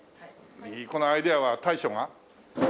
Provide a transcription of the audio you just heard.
このアイデアは大将が？